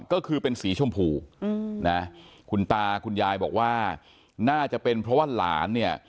ก็คือเป็นสีชมพูนะคุณตาคุณยายบอกว่าน่าจะเป็นเพราะว่าหลานเนี่ย